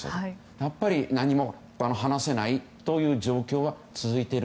やはり、何も話せないという状況は続いている。